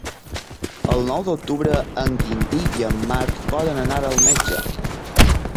El nou d'octubre en Quintí i en Marc volen anar al metge.